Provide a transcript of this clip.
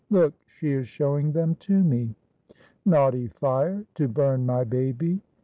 Look, she is showing them to me. Naughty fire, to burn my baby."